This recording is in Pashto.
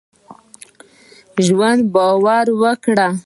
ژوند په باور وکړهٔ.